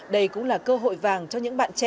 đây cũng là cơ hội vàng cho những bạn trẻ